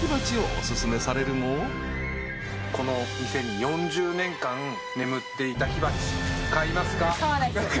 ・「この店に４０年間眠っていた火鉢」「買いますか？」